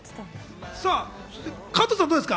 加藤さん、どうですか？